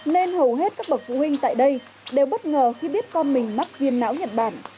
nên hầu hết các bậc phụ huynh tại đây đều bất ngờ khi biết con mình mắc viêm não nhật bản